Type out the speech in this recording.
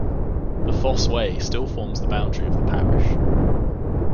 The Fosse Way stills forms the boundary of the parish.